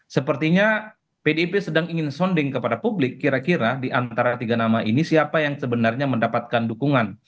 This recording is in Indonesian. sepertinya pdip sedang ingin sonding kepada publik kira kira di antara tiga nama ini siapa yang sebenarnya mendapatkan dukungan